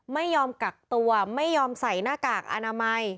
ไม่ยอมกักตัวไม่ยอมใส่หน้ากากอนามัย